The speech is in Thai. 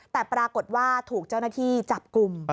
แต่ปรากฏว่าถูกเจ้าหน้าที่จับกลุ่ม